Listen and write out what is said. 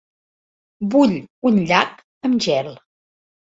Vull un llac amb gel.